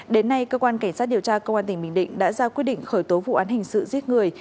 đến nay cơ quan cảnh sát điều tra công an tỉnh bình định đã ra quyết định khởi tố vụ án hình sự giết người